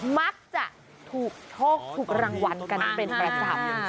มักจะถูกโชคถูกรางวัลกันเป็นประจำ